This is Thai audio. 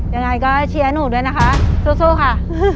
ยังไงก็เชียร์หนูด้วยนะคะสู้ค่ะ